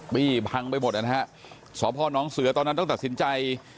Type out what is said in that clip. พี่พังไปหมดแล้วนะฮะสวพ่อน้องเสือตอนนั้นต้องตัดสินใจ